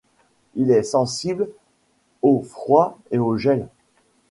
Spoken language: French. Il est sensible au froid et au gel.